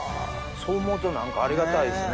そう思うとありがたいですね。